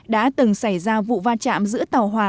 đã từng xảy ra vụ va chạm giữa tàu hòa